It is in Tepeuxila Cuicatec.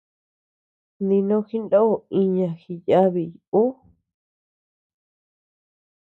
Dinó jindo iña jiyabiy ú.